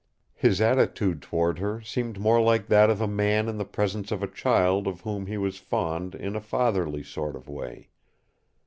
His attitude toward her seemed more like that of a man in the presence of a child of whom he was fond in a fatherly sort of way.